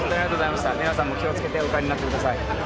皆さんも気を付けてお帰りになってください。